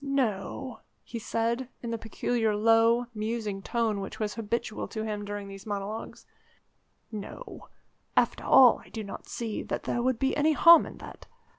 "No," he said in the peculiar low, musing tone which was habitual to him during these monologues, "no; after all, I do not see that there would be any harm in that.